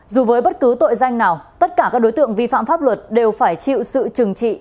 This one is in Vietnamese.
dù với bất cứ tội danh nào tất cả các đối tượng vi phạm pháp luật đều phải chịu sự trừng trị